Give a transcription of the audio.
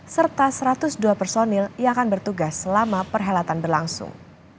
serta satu ratus dua personil yang akan bertugas selama perhelatan berlangsung